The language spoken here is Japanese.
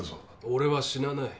俺は死なない。